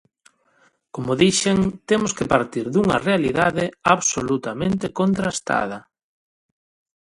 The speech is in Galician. Como dixen, temos que partir dunha realidade absolutamente contrastada.